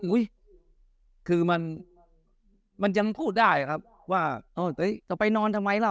คือมันยังพูดได้ครับว่าเออจะไปนอนทำไมล่ะ